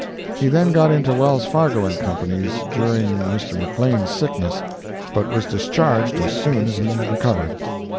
He then got into Wells, Fargo & Co.'s, during Mr. McLane's sickness, but was discharged as soon as he recovered.